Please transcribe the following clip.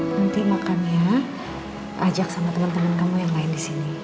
nanti makan ya ajak sama temen temen kamu yang lain disini